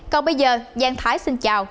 còn bây giờ giang thái xin chào